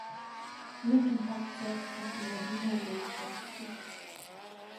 Linkin Park selbst hatten Madina Lake ausgesucht.